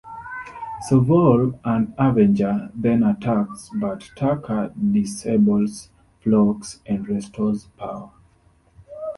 Soval, on "Avenger", then attacks, but Tucker disables Phlox and restores power.